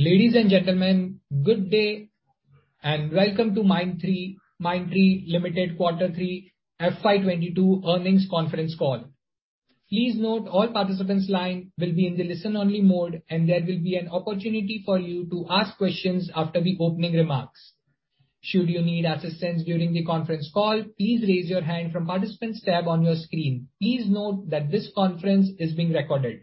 Ladies and gentlemen, good day, and welcome to Mindtree Limited quarter three FY 2022 earnings conference call. Please note all participants' line will be in the listen-only mode, and there will be an opportunity for you to ask questions after the opening remarks. Should you need assistance during the conference call, please raise your hand from participants tab on your screen. Please note that this conference is being recorded.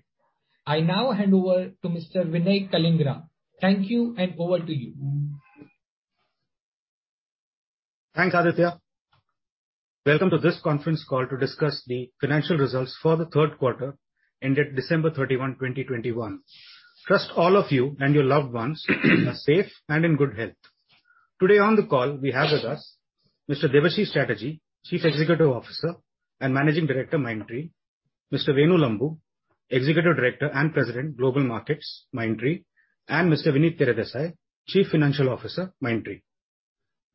I now hand over to Mr. Vinay Kalingara. Thank you, and over to you. Thanks, Aditya. Welcome to this conference call to discuss the financial results for the third quarter ended December 31, 2021. Trust all of you and your loved ones are safe and in good health. Today on the call we have with us Mr. Debashis Chatterjee, Chief Executive Officer and Managing Director, Mindtree, Mr. Venu Lambu, Executive Director and President, Global Markets, Mindtree, and Mr. Vinit Teredesai, Chief Financial Officer, Mindtree.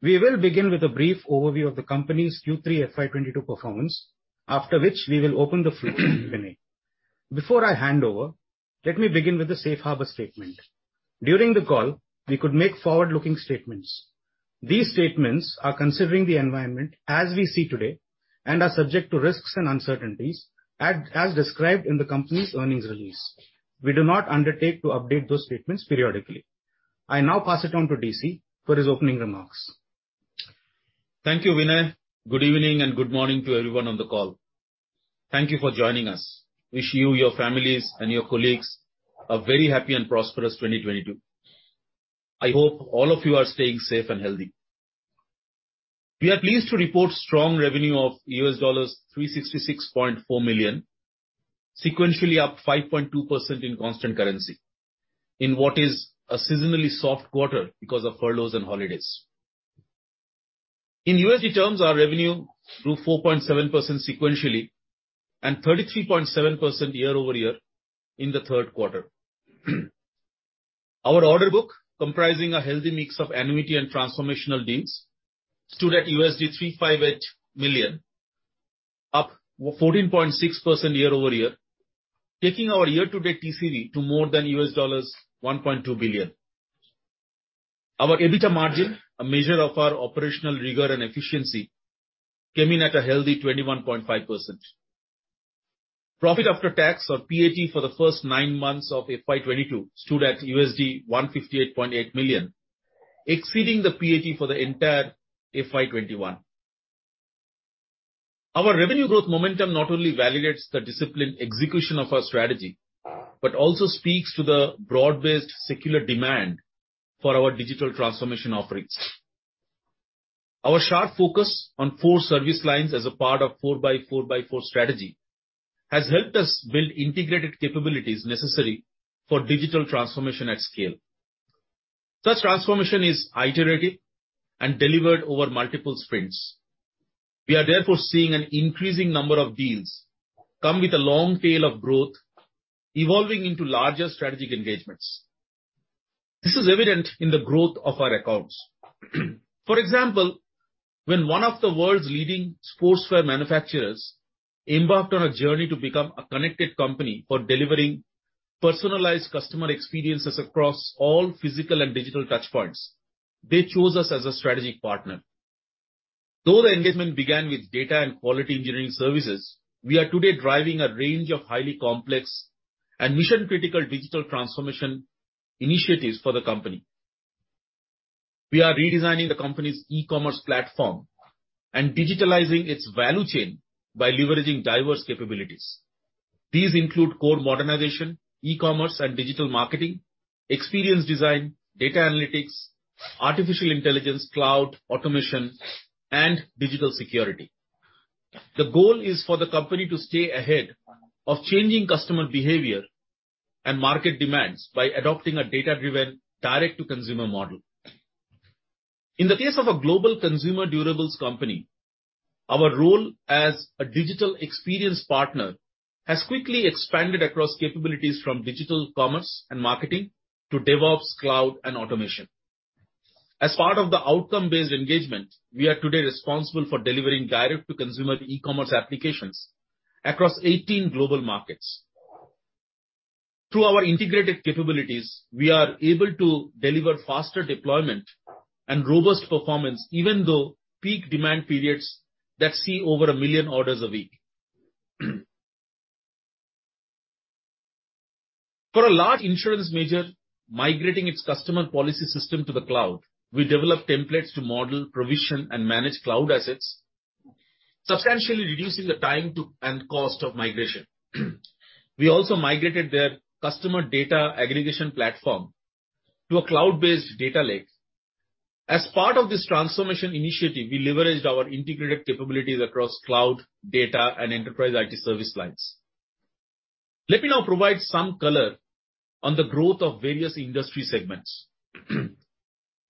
We will begin with a brief overview of the company's Q3 FY 2022 performance, after which we will open the floor to Vinay. Before I hand over, let me begin with a safe harbor statement. During the call, we could make forward-looking statements. These statements are considering the environment as we see today and are subject to risks and uncertainties as described in the company's earnings release. We do not undertake to update those statements periodically. I now pass it on to Debashis Chatterjee for his opening remarks. Thank you, Vinay. Good evening and good morning to everyone on the call. Thank you for joining us. Wish you, your families, and your colleagues a very happy and prosperous 2022. I hope all of you are staying safe and healthy. We are pleased to report strong revenue of $366.4 million, sequentially up 5.2% in constant currency in what is a seasonally soft quarter because of furloughs and holidays. In USD terms, our revenue grew 4.7% sequentially and 33.7% year-over-year in the third quarter. Our order book, comprising a healthy mix of annuity and transformational deals, stood at $358 million, up 14.6% year-over-year, taking our year-to-date TCV to more than $1.2 billion. Our EBITDA margin, a measure of our operational rigor and efficiency, came in at a healthy 21.5%. Profit after tax, or PAT, for the first nine months of FY 2022 stood at $158.8 million, exceeding the PAT for the entire FY 2021. Our revenue growth momentum not only validates the disciplined execution of our strategy, but also speaks to the broad-based secular demand for our digital transformation offerings. Our sharp focus on four service lines as a part of 4x4x4 strategy has helped us build integrated capabilities necessary for digital transformation at scale. Such transformation is iterative and delivered over multiple sprints. We are therefore seeing an increasing number of deals come with a long tail of growth evolving into larger strategic engagements. This is evident in the growth of our accounts. For example, when one of the world's leading sportswear manufacturers embarked on a journey to become a connected company for delivering personalized customer experiences across all physical and digital touch points, they chose us as a strategic partner. Though the engagement began with data and quality engineering services, we are today driving a range of highly complex and mission-critical digital transformation initiatives for the company. We are redesigning the company's e-commerce platform and digitalizing its value chain by leveraging diverse capabilities. These include core modernization, e-commerce and digital marketing, experience design, data analytics, artificial intelligence, cloud, automation, and digital security. The goal is for the company to stay ahead of changing customer behavior and market demands by adopting a data-driven direct-to-consumer model. In the case of a global consumer durables company, our role as a digital experience partner has quickly expanded across capabilities from digital commerce and marketing to DevOps, Cloud, and automation. As part of the outcome-based engagement, we are today responsible for delivering direct-to-consumer e-commerce applications across 18 global markets. Through our integrated capabilities, we are able to deliver faster deployment and robust performance, even through peak demand periods that see over one million orders a week. For a large insurance major migrating its customer policy system to the Cloud, we developed templates to model, provision, and manage cloud assets, substantially reducing the time to and cost of migration. We also migrated their customer data aggregation platform to a cloud-based data lake. As part of this transformation initiative, we leveraged our integrated capabilities across Cloud, Data, and Enterprise IT service lines. Let me now provide some color on the growth of various industry segments.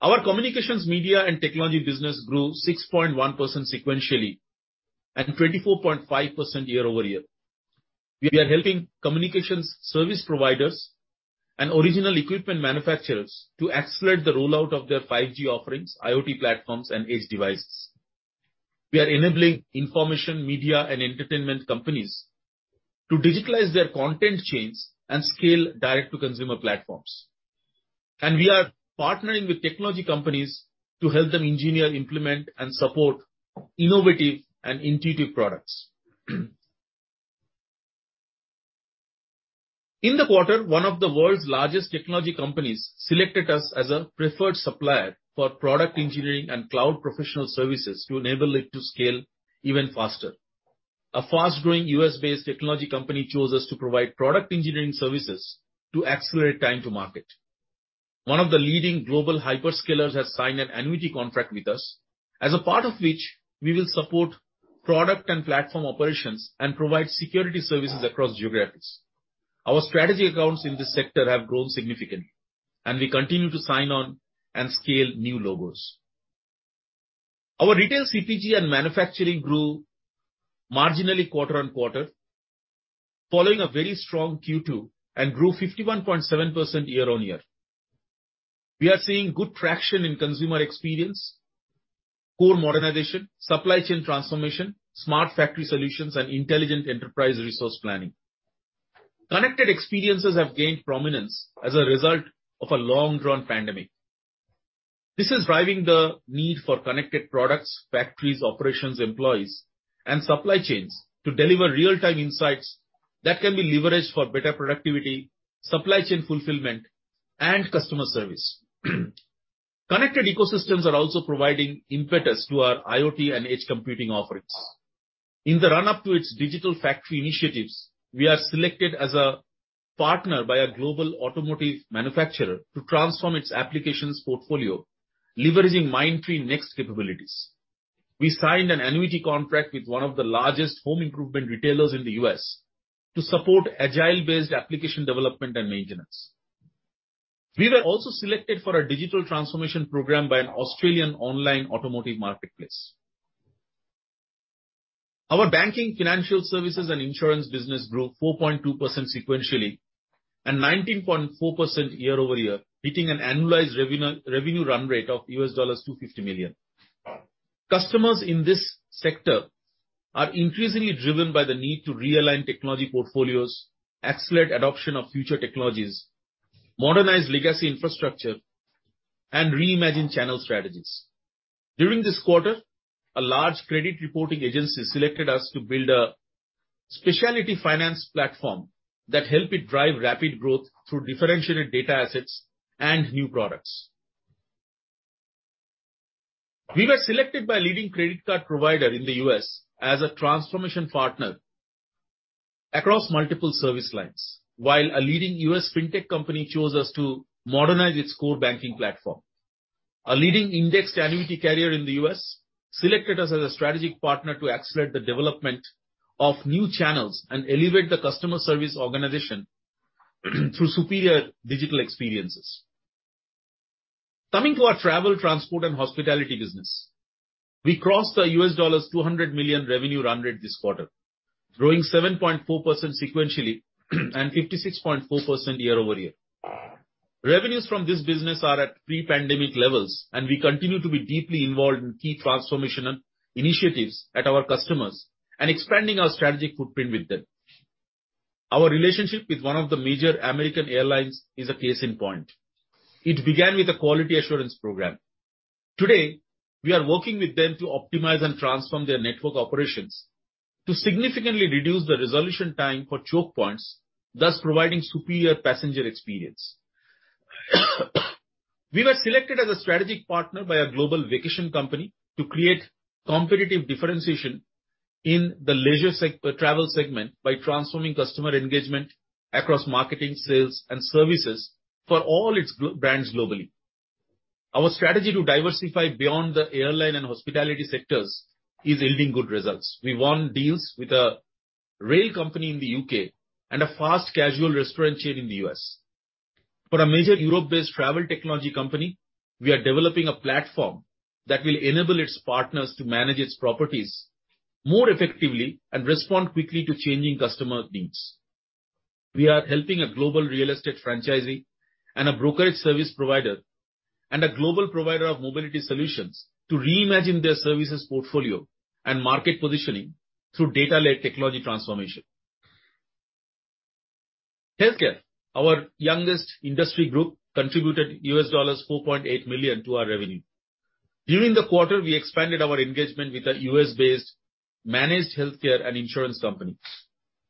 Our communications, media, and technology business grew 6.1% sequentially and 24.5% year-over-year. We are helping communications service providers and original equipment manufacturers to accelerate the rollout of their 5G offerings, IoT platforms, and edge devices. We are enabling information media and entertainment companies to digitalize their content chains and scale direct-to-consumer platforms. We are partnering with technology companies to help them engineer, implement, and support innovative and intuitive products. In the quarter, one of the world's largest technology companies selected us as a preferred supplier for product engineering and cloud professional services to enable it to scale even faster. A fast-growing U.S.-based technology company chose us to provide product engineering services to accelerate time to market. One of the leading global hyperscalers has signed an annuity contract with us, as a part of which we will support product and platform operations and provide security services across geographies. Our strategy accounts in this sector have grown significantly, and we continue to sign on and scale new logos. Our retail CPG and manufacturing grew marginally quarter-on-quarter, following a very strong Q2, and grew 51.7% year-on-year. We are seeing good traction in consumer experience, core modernization, supply chain transformation, smart factory solutions, and intelligent enterprise resource planning. Connected experiences have gained prominence as a result of a long-drawn pandemic. This is driving the need for connected products, factories, operations employees, and supply chains to deliver real-time insights that can be leveraged for better productivity, supply chain fulfillment, and customer service. Connected ecosystems are also providing impetus to our IoT and edge computing offerings. In the run-up to its digital factory initiatives, we are selected as a partner by a global automotive manufacturer to transform its applications portfolio, leveraging Mindtree next capabilities. We signed an annuity contract with one of the largest home improvement retailers in the U.S. to support agile-based application development and maintenance. We were also selected for a digital transformation program by an Australian online automotive marketplace. Our banking, financial services, and insurance business grew 4.2% sequentially and 19.4% year-over-year, hitting an annualized revenue run rate of $250 million. Customers in this sector are increasingly driven by the need to realign technology portfolios, accelerate adoption of future technologies, modernize legacy infrastructure, and reimagine channel strategies. During this quarter, a large credit reporting agency selected us to build a specialty finance platform that help it drive rapid growth through differentiated data assets and new products. We were selected by a leading credit card provider in the U.S. as a transformation partner across multiple service lines, while a leading US fintech company chose us to modernize its core banking platform. A leading indexed annuity carrier in the U.S. selected us as a strategic partner to accelerate the development of new channels and elevate the customer service organization through superior digital experiences. Coming to our travel, transport, and hospitality business. We crossed the $200 million revenue run rate this quarter, growing 7.4% sequentially and 56.4% year-over-year. Revenues from this business are at pre-pandemic levels, and we continue to be deeply involved in key transformation initiatives at our customers and expanding our strategic footprint with them. Our relationship with one of the major American airlines is a case in point. It began with a quality assurance program. Today, we are working with them to optimize and transform their network operations to significantly reduce the resolution time for choke points, thus providing superior passenger experience. We were selected as a strategic partner by a global vacation company to create competitive differentiation in the leisure travel segment by transforming customer engagement across marketing, sales, and services for all its brands globally. Our strategy to diversify beyond the airline and hospitality sectors is yielding good results. We won deals with a rail company in the U.K. and a fast casual restaurant chain in the U.S. For a major Europe-based travel technology company, we are developing a platform that will enable its partners to manage its properties more effectively and respond quickly to changing customer needs. We are helping a global real estate franchisee and a brokerage service provider and a global provider of mobility solutions to reimagine their services portfolio and market positioning through data-led technology transformation. Healthcare, our youngest industry group, contributed $4.8 million to our revenue. During the quarter, we expanded our engagement with a U.S.-based managed healthcare and insurance company.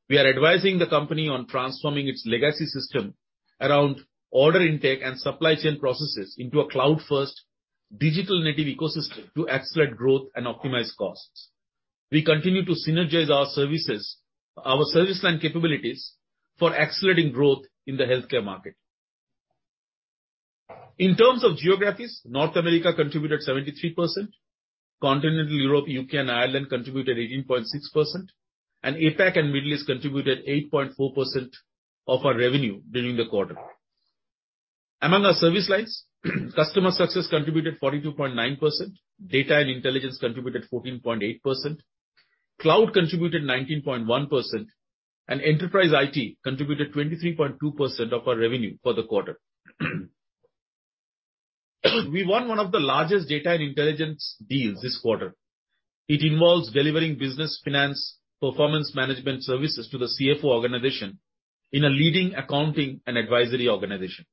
We are advising the company on transforming its legacy system around order intake and supply chain processes into a cloud-first digital native ecosystem to accelerate growth and optimize costs. We continue to synergize our services, our service line capabilities for accelerating growth in the healthcare market. In terms of geographies, North America contributed 73%, Continental Europe, U.K. and Ireland contributed 18.6%, and APAC and Middle East contributed 8.4% of our revenue during the quarter. Among our service lines, Customer Success contributed 42.9%, Data and Intelligence contributed 14.8%, Cloud contributed 19.1%, and Enterprise IT contributed 23.2% of our revenue for the quarter. We won one of the largest data and intelligence deals this quarter. It involves delivering business finance performance management services to the CFO organization in a leading accounting and advisory organization.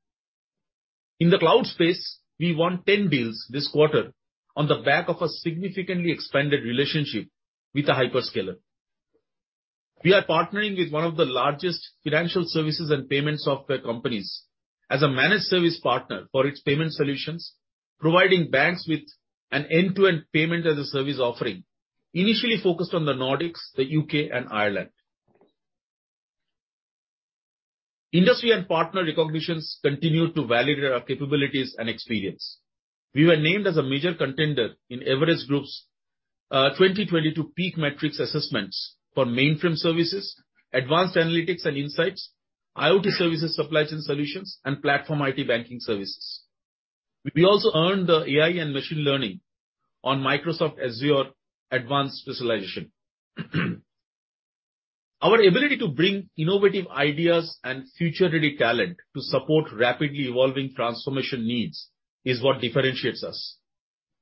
In the cloud space, we won 10 deals this quarter on the back of a significantly expanded relationship with a hyperscaler. We are partnering with one of the largest financial services and payment software companies as a managed service partner for its payment solutions, providing banks with an end-to-end payment-as-a-service offering, initially focused on the Nordics, the U.K. and Ireland. Industry and partner recognitions continue to validate our capabilities and experience. We were named as a major contender in Everest Group's 2022 PEAK Matrix® assessments for mainframe services, advanced analytics and insights, IoT services, supply chain solutions, and platform IT banking services. We also earned the AI and machine learning on Microsoft Azure advanced specialization. Our ability to bring innovative ideas and future-ready talent to support rapidly evolving transformation needs is what differentiates us.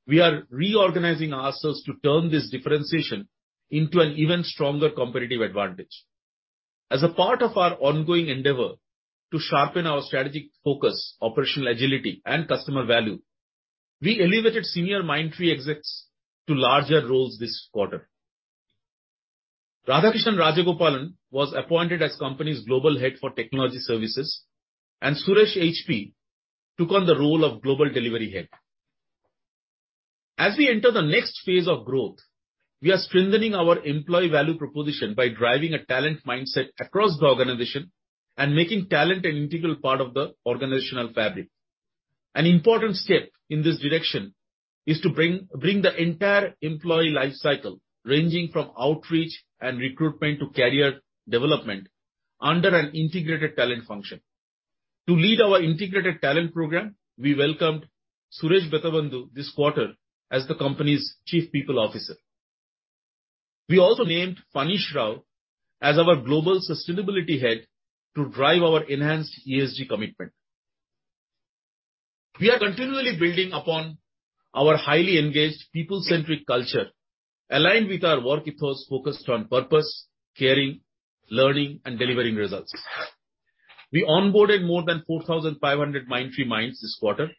We are reorganizing ourselves to turn this differentiation into an even stronger competitive advantage. As a part of our ongoing endeavor to sharpen our strategic focus, operational agility, and customer value, we elevated senior Mindtree execs to larger roles this quarter. Radhakrishnan Rajagopalan was appointed as the company's Global Head for Technology Services, and Suresh HP took on the role of Global Delivery Head. As we enter the next phase of growth, we are strengthening our employee value proposition by driving a talent mindset across the organization and making talent an integral part of the organizational fabric. An important step in this direction is to bring the entire employee life cycle, ranging from outreach and recruitment to career development, under an integrated talent function. To lead our integrated talent program, we welcomed Suresh Bethavandu this quarter as the company's Chief People Officer. We also named Paneesh Rao as our Global Sustainability Head to drive our enhanced ESG commitment. We are continually building upon our highly engaged people-centric culture, aligned with our work ethos focused on purpose, caring, learning, and delivering results. We onboarded more than 4,500 Mindtree Minds this quarter,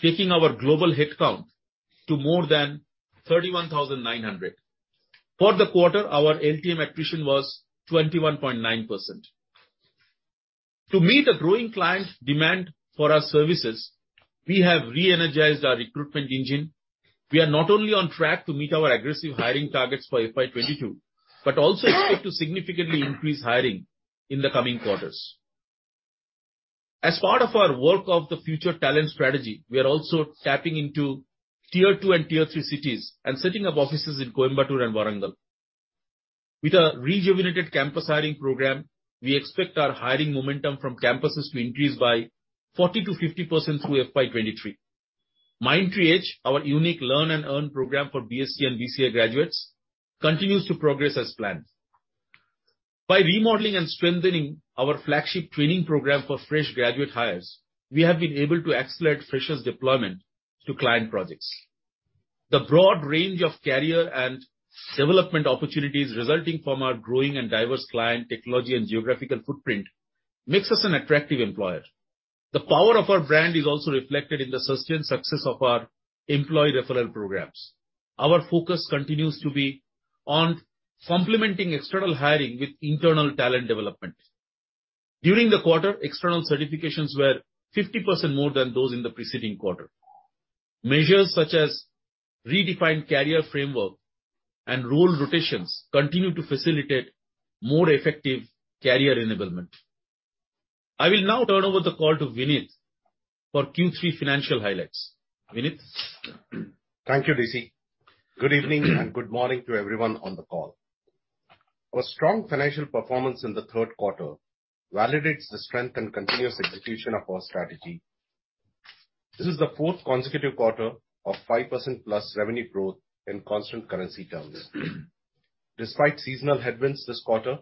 taking our global headcount to more than 31,900. For the quarter, our LTM attrition was 21.9%. To meet the growing client demand for our services, we have re-energized our recruitment engine. We are not only on track to meet our aggressive hiring targets for FY 2022, but also expect to significantly increase hiring in the coming quarters. As part of our work of the future talent strategy, we are also tapping into tier two and tier three cities and setting up offices in Coimbatore and Warangal. With a rejuvenated campus hiring program, we expect our hiring momentum from campuses to increase by 40%-50% through FY 2023. Mindtree EDGE, our unique learn and earn program for BSc and BCA graduates, continues to progress as planned. By remodeling and strengthening our flagship training program for fresh graduate hires, we have been able to accelerate freshers' deployment to client projects. The broad range of career and development opportunities resulting from our growing and diverse client technology and geographical footprint makes us an attractive employer. The power of our brand is also reflected in the sustained success of our employee referral programs. Our focus continues to be on complementing external hiring with internal talent development. During the quarter, external certifications were 50% more than those in the preceding quarter. Measures such as redefined career framework and role rotations continue to facilitate more effective career enablement. I will now turn over the call to Vinit for Q3 financial highlights. Vinit? Thank you, Debashis Chatterjee. Good evening and good morning to everyone on the call. Our strong financial performance in the third quarter validates the strength and continuous execution of our strategy. This is the fourth consecutive quarter of 5%+ revenue growth in constant currency terms. Despite seasonal headwinds this quarter,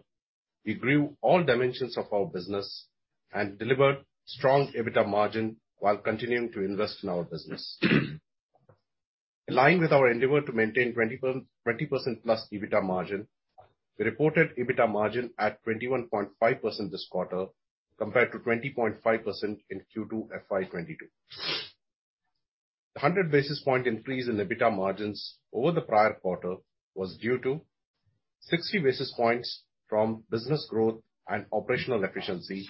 we grew all dimensions of our business and delivered strong EBITDA margin while continuing to invest in our business. In line with our endeavor to maintain 20%+ EBITDA margin, we reported EBITDA margin at 21.5% this quarter, compared to 20.5% in Q2 FY 2022. The 100 basis point increase in EBITDA margins over the prior quarter was due to 60 basis points from business growth and operational efficiency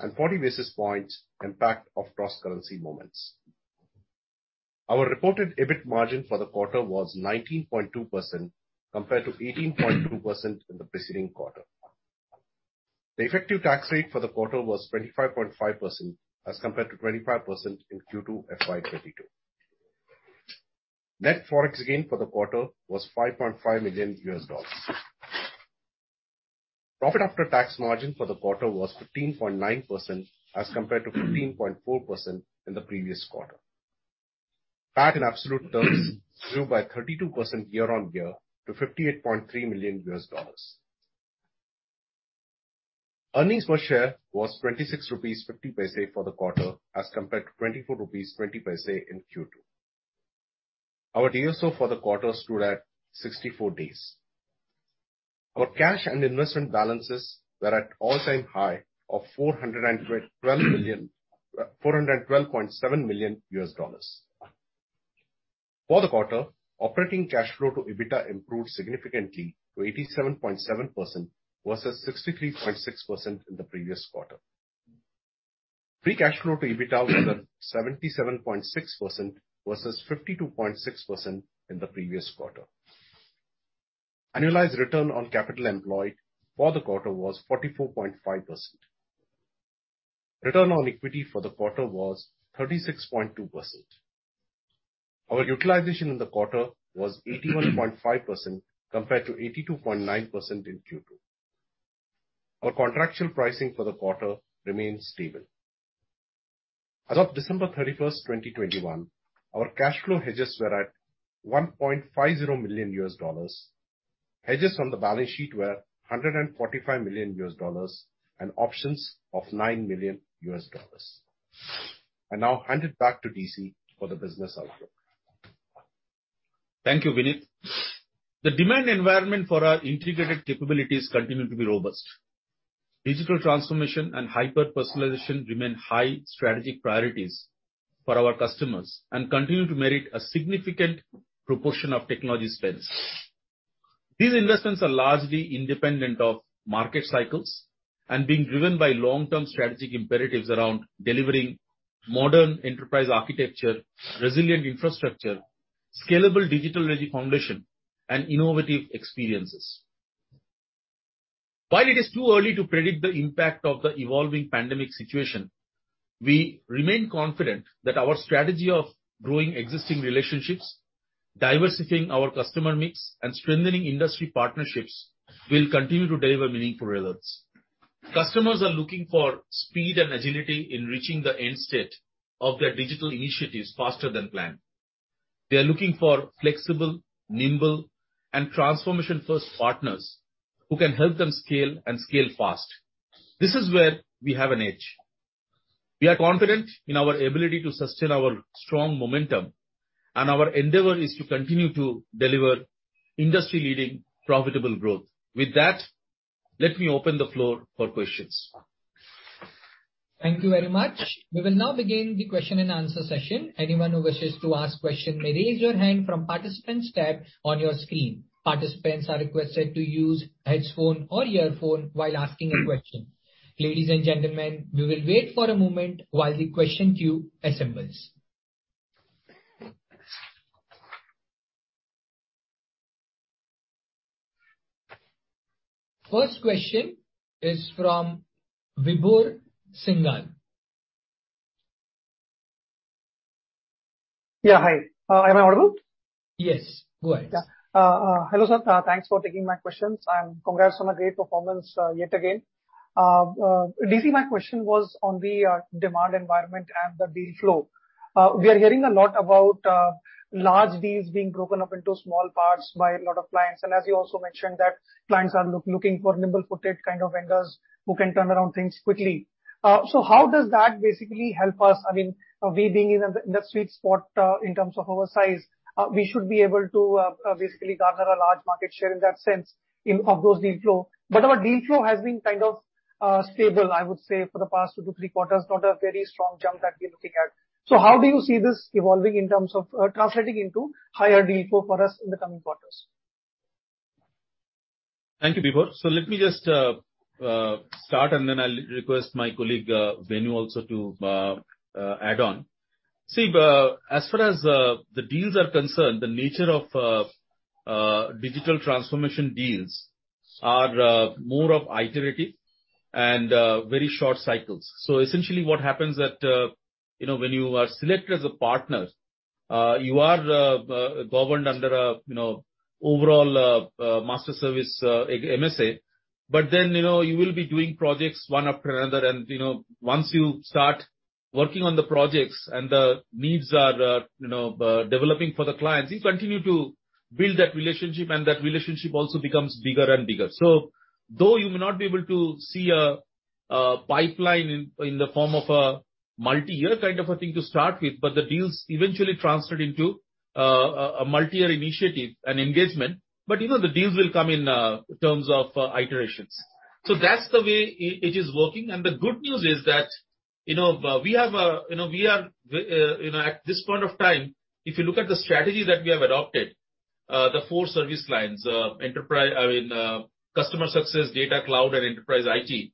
and 40 basis points impact of cross-currency movements. Our reported EBIT margin for the quarter was 19.2%, compared to 18.2% in the preceding quarter. The effective tax rate for the quarter was 25.5%, as compared to 25% in Q2 FY 2022. Net Forex gain for the quarter was $5.5 million. Profit after tax margin for the quarter was 15.9% as compared to 15.4% in the previous quarter. PAT in absolute terms grew by 32% year-on-year to $58.3 million. Earnings per share was 26.50 rupees for the quarter, as compared to 24.20 rupees in Q2. Our DSO for the quarter stood at 64 days. Our cash and investment balances were at all-time high of $412.7 million. For the quarter, operating cash flow to EBITDA improved significantly to 87.7% versus 63.6% in the previous quarter. Free cash flow to EBITDA was at 77.6% versus 52.6% in the previous quarter. Annualized return on capital employed for the quarter was 44.5%. Return on equity for the quarter was 36.2%. Our utilization in the quarter was 81.5% compared to 82.9% in Q2. Our contractual pricing for the quarter remained stable. As of December 31, 2021, our cash flow hedges were at $1.50 million. Hedges on the balance sheet were $145 million and options of $9 million. I now hand it back to Debashis Chatterjee for the business outlook. Thank you, Vinit. The demand environment for our integrated capabilities continue to be robust. Digital transformation and hyper-personalization remain high strategic priorities for our customers and continue to merit a significant proportion of technology spends. These investments are largely independent of market cycles and being driven by long-term strategic imperatives around delivering modern enterprise architecture, resilient infrastructure, scalable digital-ready foundation and innovative experiences. While it is too early to predict the impact of the evolving pandemic situation, we remain confident that our strategy of growing existing relationships, diversifying our customer mix and strengthening industry partnerships will continue to deliver meaningful results. Customers are looking for speed and agility in reaching the end state of their digital initiatives faster than planned. They are looking for flexible, nimble and transformation-first partners who can help them scale and scale fast. This is where we have an edge. We are confident in our ability to sustain our strong momentum, and our endeavor is to continue to deliver industry-leading profitable growth. With that, let me open the floor for questions. Thank you very much. We will now begin the question and answer session. Anyone who wishes to ask question may raise your hand from Participants tab on your screen. Participants are requested to use headphone or earphone while asking a question. Ladies and gentlemen, we will wait for a moment while the question queue assembles. First question is from Vibhor Singhal. Yeah. Hi. Am I audible? Yes, go ahead. Yeah. Hello, sir. Thanks for taking my questions, and congrats on a great performance yet again. Debashis Chatterjee, my question was on the demand environment and the deal flow. We are hearing a lot about large deals being broken up into small parts by a lot of clients, and as you also mentioned, that clients are looking for nimble-footed kind of vendors who can turn around things quickly. How does that basically help us? I mean, we being in a sweet spot in terms of our size, we should be able to basically garner a large market share in that sense in of those deal flow. Our deal flow has been kind of stable, I would say, for the past two to three quarters. Not a very strong jump that we're looking at. How do you see this evolving in terms of translating into higher deal flow for us in the coming quarters? Thank you, Vibhor. Let me just start, and then I'll request my colleague, Venu also to add on. See, as far as the deals are concerned, the nature of digital transformation deals are more of iterative and very short cycles. Essentially what happens that you know, when you are selected as a partner, you are governed under a you know, overall master service MSA. But then, you know, you will be doing projects one after another. And, you know, once you start working on the projects and the needs are you know developing for the clients, you continue to build that relationship, and that relationship also becomes bigger and bigger. Though you may not be able to see a pipeline in the form of a multi-year kind of a thing to start with, the deals eventually transferred into a multi-year initiative and engagement. You know, the deals will come in terms of iterations. That's the way it is working. The good news is that, you know, we are, you know, at this point of time, if you look at the strategy that we have adopted, the four service lines, Customer Success, data, Cloud and Enterprise IT,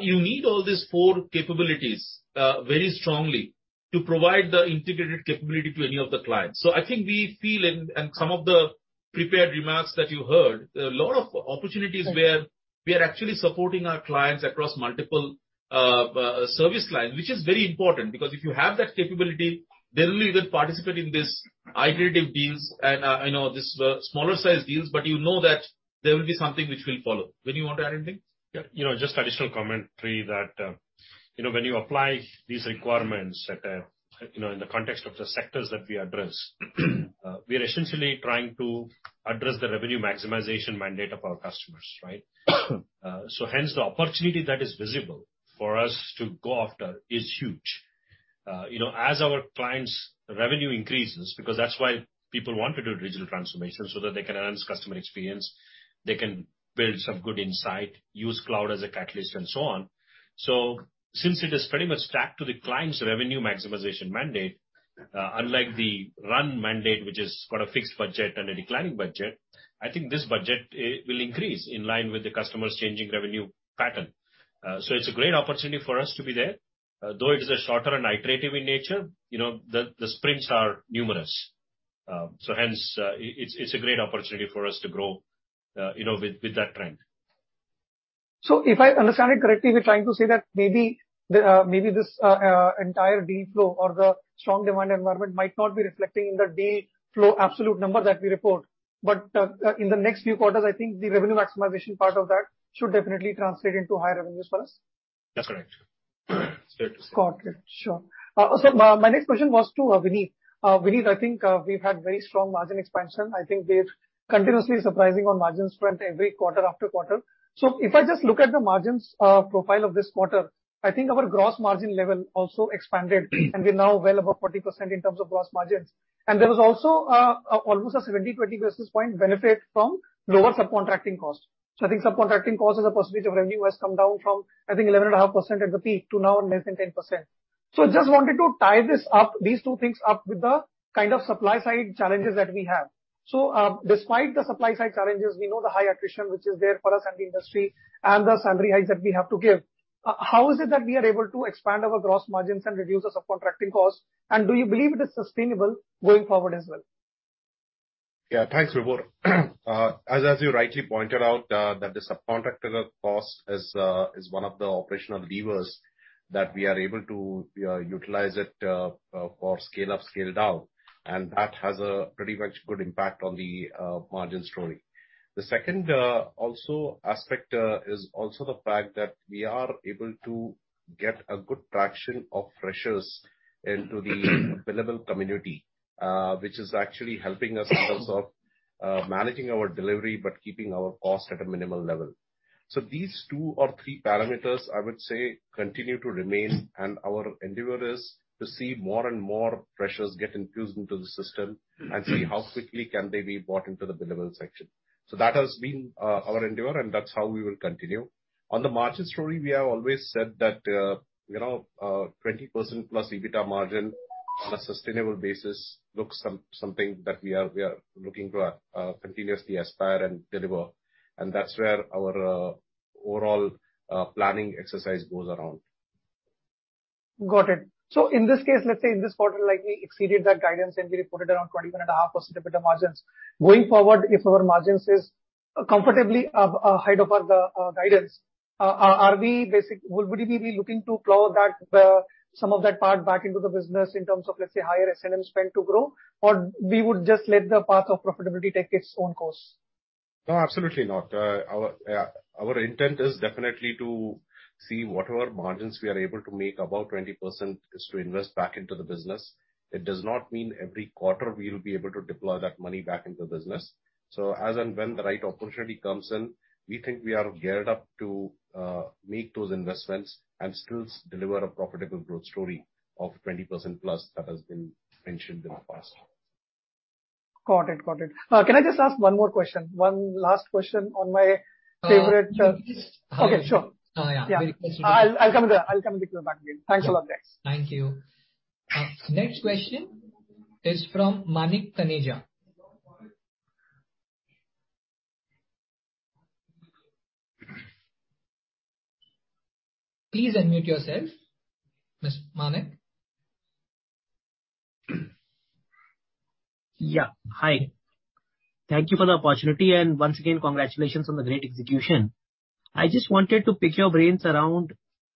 you need all these four capabilities very strongly to provide the integrated capability to any of the clients. I think we feel, and some of the prepared remarks that you heard, a lot of opportunities where we are actually supporting our clients across multiple service lines, which is very important. Because if you have that capability, they'll even participate in this iterative deals and you know these smaller sized deals, but you know that there will be something which will follow. Venu, you want to add anything? Yeah. You know, just additional commentary that. You know, when you apply these requirements in the context of the sectors that we address, we are essentially trying to address the revenue maximization mandate of our customers, right? Hence the opportunity that is visible for us to go after is huge. You know, as our clients' revenue increases, because that's why people want to do digital transformation, so that they can enhance customer experience, they can build some good insight, use cloud as a catalyst, and so on. Since it is pretty much tracked to the client's revenue maximization mandate, unlike the run mandate, which has got a fixed budget and a declining budget, I think this budget, it will increase in line with the customer's changing revenue pattern. It's a great opportunity for us to be there. Though it is shorter and iterative in nature, you know, the sprints are numerous. Hence, it's a great opportunity for us to grow, you know, with that trend. If I understand it correctly, we're trying to say that maybe this entire deal flow or the strong demand environment might not be reflecting in the deal flow absolute number that we report. In the next few quarters, I think the revenue maximization part of that should definitely translate into higher revenues for us. That's correct. It's fair to say. Got it. Sure. My next question was to Vinit. Vinit, I think we've had very strong margin expansion. I think we're continuously surprising on margins front every quarter after quarter. If I just look at the margins profile of this quarter, I think our gross margin level also expanded and we're now well above 40% in terms of gross margins. There was also almost a 70 basis points-20 basis point benefit from lower subcontracting costs. I think subcontracting costs as a percentage of revenue has come down from, I think, 11.5% at the peak to now less than 10%. Just wanted to tie these two things up with the kind of supply side challenges that we have. Despite the supply side challenges, we know the high attrition which is there for us and the industry and the salary hikes that we have to give. How is it that we are able to expand our gross margins and reduce the subcontracting costs? Do you believe it is sustainable going forward as well? Yeah. Thanks, Vibhor. As you rightly pointed out, that the subcontractor cost is one of the operational levers that we are able to utilize it for scale up, scale down, and that has a pretty much good impact on the margins story. The second aspect is also the fact that we are able to get a good traction of freshers into the billable community, which is actually helping us in terms of managing our delivery, but keeping our costs at a minimal level. These two or three parameters, I would say, continue to remain, and our endeavor is to see more and more freshers get infused into the system and see how quickly can they be brought into the billable section. That has been our endeavor, and that's how we will continue. On the margin story, we have always said that, you know, 20%+ EBITDA margin on a sustainable basis looks something that we are looking to continuously aspire and deliver. That's where our overall planning exercise goes around. Got it. In this case, let's say in this quarter, like we exceeded that guidance and we reported around 21.5% EBITDA margins. Going forward, if our margins is comfortably ahead of our guidance, would we be looking to plow that some of that part back into the business in terms of, let's say, higher S&M spend to grow? Or we would just let the path of profitability take its own course? No, absolutely not. Our intent is definitely to see whatever margins we are able to make above 20% is to invest back into the business. It does not mean every quarter we'll be able to deploy that money back into the business. As and when the right opportunity comes in, we think we are geared up to make those investments and still deliver a profitable growth story of 20%+ that has been mentioned in the past. Got it. Can I just ask one more question? One last question on my favorite, Uh. Okay, sure. Yeah. Very pleased with it. I'll get back to you, Vinit. Thanks a lot, guys. Thank you. Next question is from Manik Taneja. Please unmute yourself, Mr. Manik. Yeah. Hi. Thank you for the opportunity, and once again, congratulations on the great execution. I just wanted to pick your brains around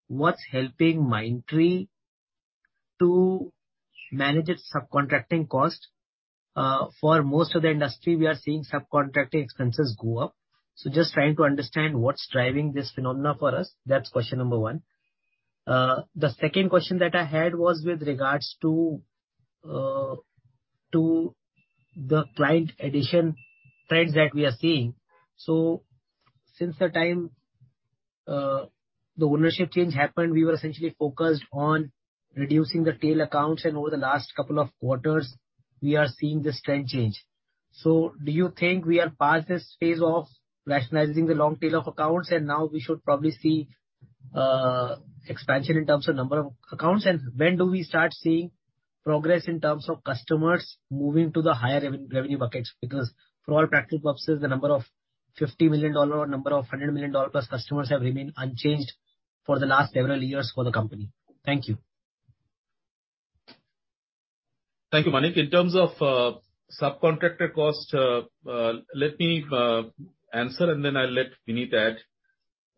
what's helping Mindtree to manage its subcontracting costs. For most of the industry, we are seeing subcontracting expenses go up. Just trying to understand what's driving this phenomenon for us. That's question number one. The second question that I had was with regard to the client addition trends that we are seeing. Since the time the ownership change happened, we were essentially focused on reducing the tail accounts, and over the last couple of quarters, we are seeing this trend change. Do you think we are past this phase of rationalizing the long tail of accounts, and now we should probably see expansion in terms of number of accounts? When do we start seeing progress in terms of customers moving to the higher revenue buckets? Because for all practical purposes, the number of $50 million or number of $100 million plus customers have remained unchanged for the last several years for the company. Thank you. Thank you, Manik. In terms of subcontractor costs, let me answer, and then I'll let Vinit add.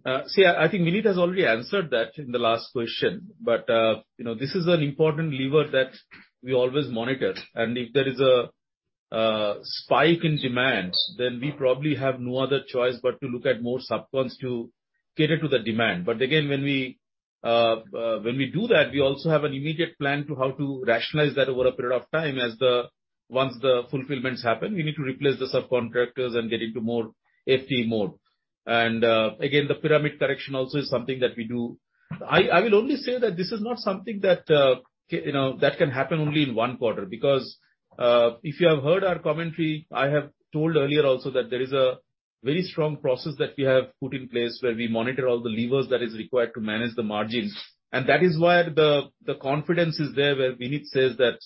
I think Vinit has already answered that in the last question, but you know, this is an important lever that we always monitor. If there is a- If there's a spike in demands, then we probably have no other choice but to look at more subcons to cater to the demand. Again, when we do that, we also have an immediate plan to how to rationalize that over a period of time as once the fulfillments happen, we need to replace the subcontractors and get into more FT mode. Again, the pyramid correction also is something that we do. I will only say that this is not something that you know, that can happen only in one quarter. Because if you have heard our commentary, I have told earlier also that there is a very strong process that we have put in place where we monitor all the levers that is required to manage the margins. That is where the confidence is there, where Vinit says that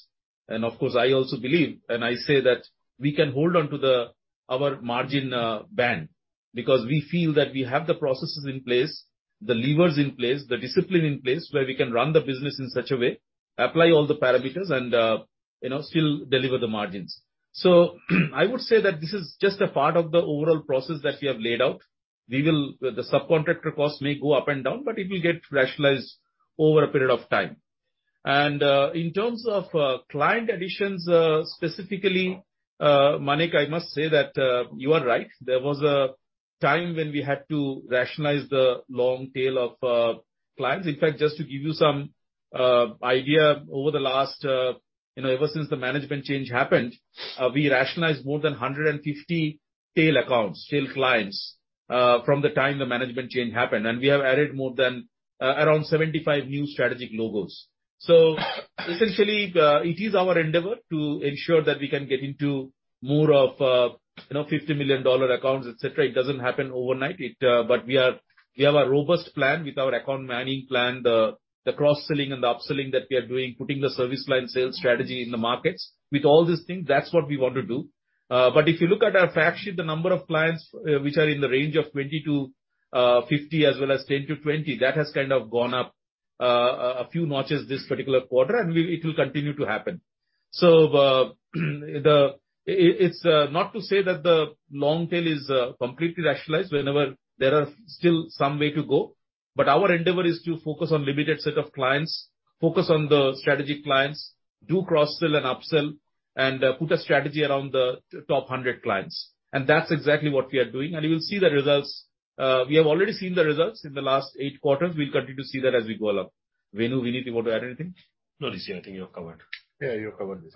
and of course, I also believe, and I say that we can hold on to our margin band. Because we feel that we have the processes in place, the levers in place, the discipline in place where we can run the business in such a way, apply all the parameters and you know, still deliver the margins. I would say that this is just a part of the overall process that we have laid out. The subcontractor cost may go up and down, but it will get rationalized over a period of time. In terms of client additions, specifically, Manik, I must say that you are right. There was a time when we had to rationalize the long tail of clients. In fact, just to give you some idea, over the last, you know, ever since the management change happened, we rationalized more than 150 tail accounts, tail clients, from the time the management change happened. We have added more than around 75 new strategic logos. Essentially, it is our endeavor to ensure that we can get into more of, you know, $50 million accounts, etc. It doesn't happen overnight. But we have a robust plan with our account manning plan, the cross-selling and the upselling that we are doing, putting the service line sales strategy in the markets. With all these things, that's what we want to do. If you look at our fact sheet, the number of clients which are in the range of 20-50 as well as 10-20, that has kind of gone up a few notches this particular quarter, it will continue to happen. It's not to say that the long tail is completely rationalized when there are still some ways to go. Our endeavor is to focus on limited set of clients, focus on the strategic clients, do cross-sell and upsell, and put a strategy around the top 100 clients. That's exactly what we are doing. You will see the results. We have already seen the results in the last 8 quarters. We'll continue to see that as we go along. Venu, Vinit, you want to add anything? No, Debashis Chatterjee, I think you have covered. Yeah, you have covered this.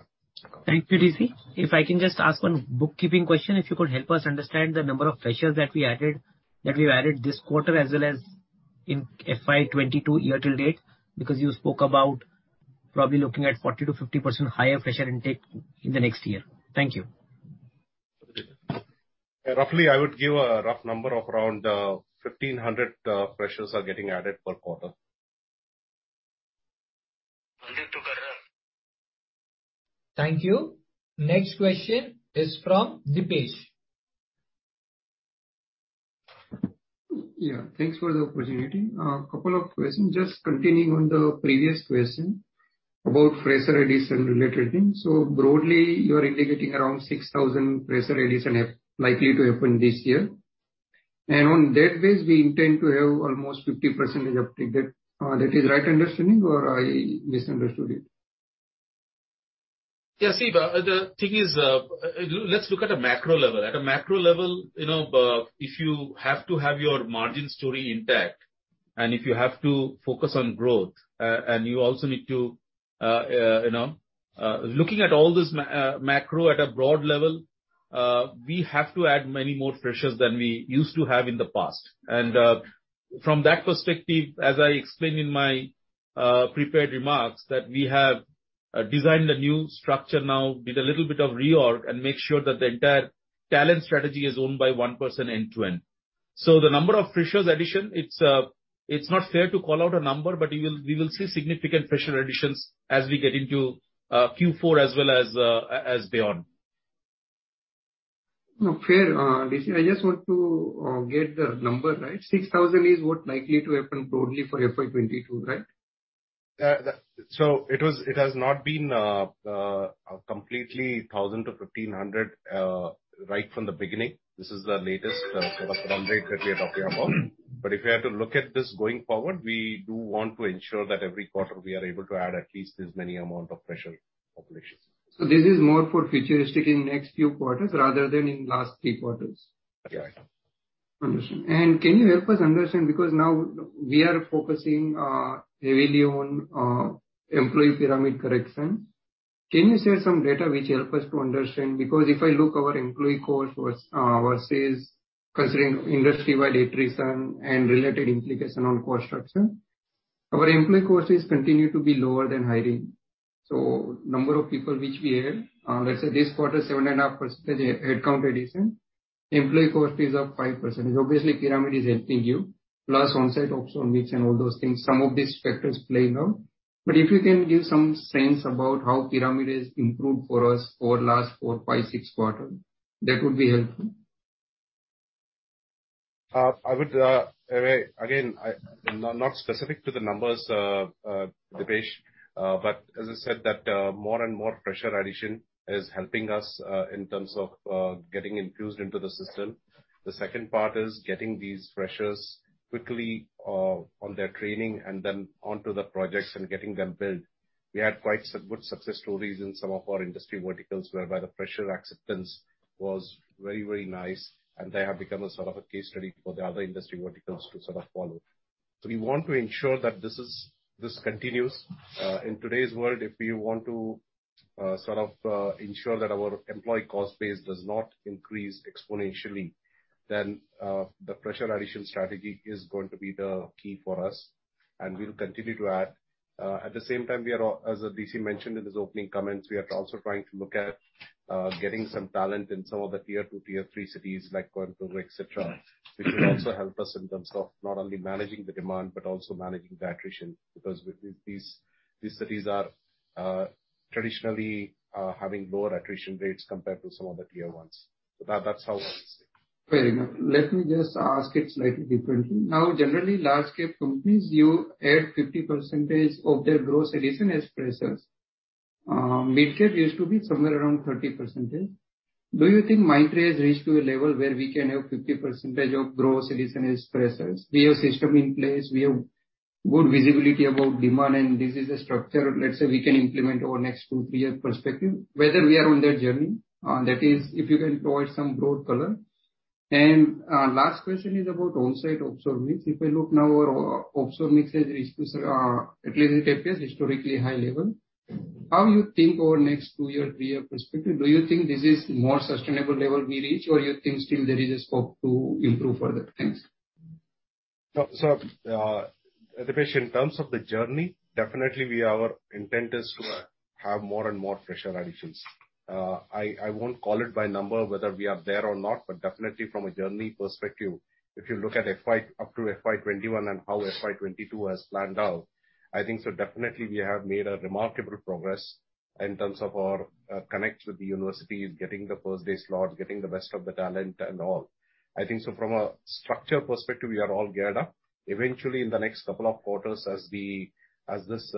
Thank you, Debashis Chatterjee. If I can just ask one bookkeeping question, if you could help us understand the number of freshers that we added, that we've added this quarter as well as in FY 2022 year to date, because you spoke about probably looking at 40%-50% higher fresher intake in the next year. Thank you. Yeah, roughly, I would give a rough number of around 1,500 freshers are getting added per quarter. Thank you. Next question is from Dipesh. Yeah, thanks for the opportunity. A couple of questions. Just continuing on the previous question about fresher addition related things. Broadly, you are indicating around 6,000 fresher addition likely to happen this year. On that base, we intend to have almost 50% of that. That is right understanding or I misunderstood it? Yeah, see, the thing is, let's look at a macro level. At a macro level, you know, if you have to have your margin story intact, and if you have to focus on growth, and you also need to, you know, looking at all this macro at a broad level, we have to add many more freshers than we used to have in the past. From that perspective, as I explained in my prepared remarks, that we have designed a new structure now with a little bit of reorg and make sure that the entire talent strategy is owned by one person end-to-end. The number of freshers addition, it's not fair to call out a number, but we will see significant fresher additions as we get into Q4 as well as beyond. No, fair. Debashis Chatterjee, I just want to get the number, right? 6,000 is what's likely to happen broadly for FY 2022, right? It has not been completely 1,000-1,500 right from the beginning. This is the latest sort of run rate that we are talking about. If you have to look at this going forward, we do want to ensure that every quarter we are able to add at least this many amount of fresher populations. This is more for futuristic in next few quarters rather than in last three quarters? Yeah. Understood. Can you help us understand, because now we are focusing heavily on employee pyramid correction. Can you share some data which help us to understand? Because if I look our employee cost was versus considering industry-wide attrition and related implication on cost structure, our employee cost is continue to be lower than hiring. Number of people which we add, let's say this quarter 7.5% headcount addition, employee cost is up 5%. Obviously, pyramid is helping you, plus onsite ops on mix and all those things. Some of these factors playing out. If you can give some sense about how pyramid has improved for us over last four, five, six quarter, that would be helpful. I would again not specific to the numbers, Dipesh. As I said, more and more fresher addition is helping us in terms of getting infused into the system. The second part is getting these freshers quickly on their training and then onto the projects and getting them billed. We had quite so good success stories in some of our industry verticals whereby the fresher acceptance was very, very nice, and they have become a sort of a case study for the other industry verticals to sort of follow. We want to ensure that this continues. In today's world, if we want to sort of ensure that our employee cost base does not increase exponentially, then the fresher addition strategy is going to be the key for us, and we'll continue to add. At the same time, as Debashis Chatterjee mentioned in his opening comments, we are also trying to look at getting some talent in some of the Tier 2, Tier 3 cities like Coimbatore, et cetera. Mm-hmm. Which will also help us in terms of not only managing the demand, but also managing the attrition. Because these cities are traditionally having lower attrition rates compared to some of the tier ones. That's how I would say. Very good. Let me just ask it slightly differently. Now, generally, large scale companies, you add 50% of their gross addition as freshers. Midcap used to be somewhere around 30%. Do you think Mindtree has reached to a level where we can have 50% of gross addition as freshers? We have system in place, we have good visibility about demand, and this is a structure, let's say, we can implement over next two- to three-year perspective, whether we are on that journey. That is, if you can provide some broad color. Last question is about onsite offsite mix. If I look now, our offsite mix has reached, at least at FS, historically high level. How you think over next two- to three-year perspective, do you think this is more sustainable level we reach, or you think still there is a scope to improve further? Thanks. No. Dipesh, in terms of the journey, definitely we, our intent is to have more and more fresher additions. I won't call it by number whether we are there or not, but definitely from a journey perspective, if you look at FY 2021 and how FY 2022 has planned out, I think so definitely we have made a remarkable progress in terms of our connections with the universities, getting the first day slot, getting the best of the talent and all. I think so from a structure perspective, we are all geared up. Eventually, in the next couple of quarters as this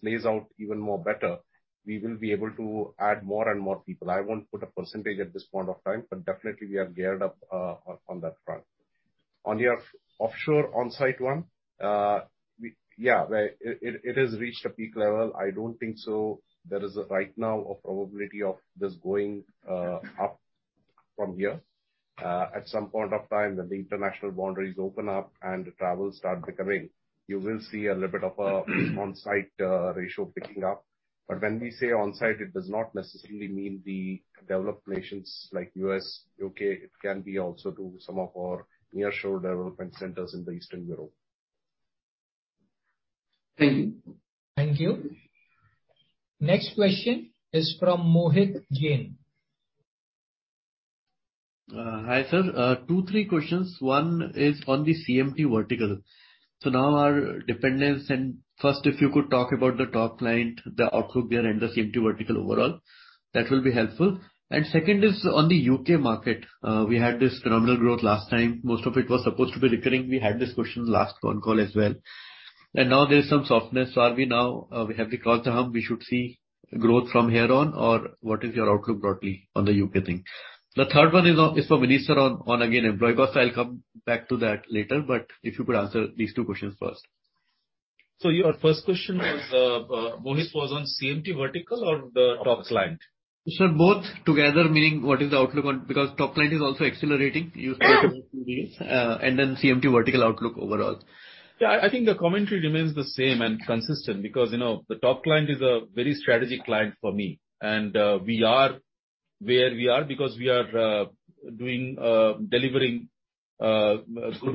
plays out even more better, we will be able to add more and more people. I won't put a percentage at this point of time, but definitely we are geared up on that front. On your offshore onsite one, where it has reached a peak level. I don't think so there is right now a probability of this going up from here. At some point of time, when the international boundaries open up and travel start recovering, you will see a little bit of a onsite ratio picking up. When we say onsite, it does not necessarily mean the developed nations like U.S., U.K. It can be also to some of our nearshore development centers in Eastern Europe. Thank you. Thank you. Next question is from Mohit Jain. Hi, sir. two, three questions. One is on the CMT vertical. Now our dependence, and first, if you could talk about the top client, the outlook there and the CMT vertical overall, that will be helpful. Second is on the UK market. We had this phenomenal growth last time. Most of it was supposed to be recurring. We had this question last on call as well. Now there's some softness. Are we now, we crossed the hump, we should see growth from here on? Or what is your outlook broadly on the UK thing? The third one is on, is for Vinit, sir on, again, employee cost. I'll come back to that later, but if you could answer these two questions first. Your first question was, Mohit, was on CMT vertical or the top client? Sir, both together, meaning what is the outlook on, because top client is also accelerating. You said in a few days. CMT vertical outlook overall. Yeah. I think the commentary remains the same and consistent because, you know, the top client is a very strategic client for me. We are where we are because we are doing good